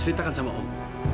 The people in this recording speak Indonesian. ceritakan sama om